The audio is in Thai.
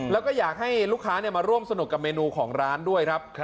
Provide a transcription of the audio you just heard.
แล้วก็อยากให้ลูกค้ามาร่วมสนุกกับเมนูของร้านด้วยครับ